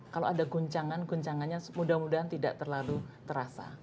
kalau ada guncangan guncangannya mudah mudahan tidak terlalu terasa